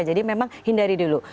jadi memang hindari dulu